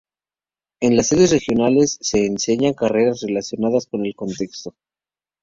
En las sedes regionales se enseñan carreras relacionadas con el contexto.